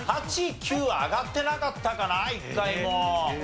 ８９は挙がってなかったかな一回も。